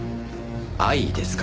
愛ですか？